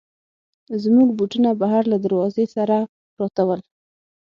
زموږ بوټونه بهر له دروازې سره پراته ول.